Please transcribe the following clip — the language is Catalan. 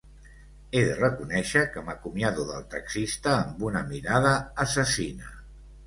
He de reconèixer que m'acomiado del taxista amb una mirada assassina.